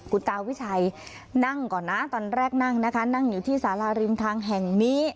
คุณตาวิชัยนั่งก่อนนะตอนแรกนั่งนะคะนั่งอยู่ที่สาราริมทางแห่งนี้